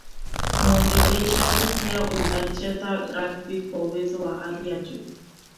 muogeleaji pia alicheza rugby kwa uwezo wa hali ya juu